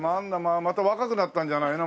また若くなったんじゃないの？